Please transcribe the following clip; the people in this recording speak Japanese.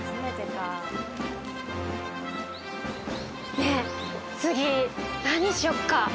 ねえ次何しよっか？